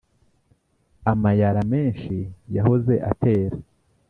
amayara menshi yahoze atera